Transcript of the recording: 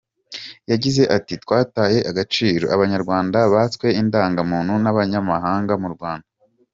Yagize ati “Twataye agaciro, Abanyarwanda batswe indangamuntu n’abanyamahanga mu Rwanda.